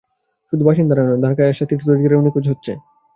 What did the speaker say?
শুধু বাসিন্দারাই নয়, দ্বারকায় আসা তীর্থযাত্রীরাও নিখোঁজ হচ্ছে।